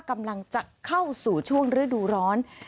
กำลังจะเข้าสู่ช่วงฤดูร้อน